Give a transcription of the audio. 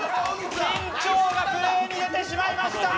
緊張がプレーに出てしまいました！